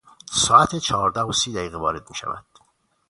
ساعت چهارده و سی دقیقه وارد میشود.